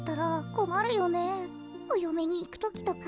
およめにいくときとか。